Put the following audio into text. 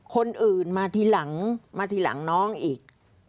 คนอื่นมาทีหลังน้องอีก